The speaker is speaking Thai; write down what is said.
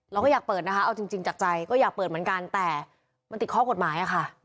เราก็อยากเปิดนะคะเอาจริงจากใจก็อยากเปิดเหมือนกันแต่มันติดข้อกฎหมายค่ะ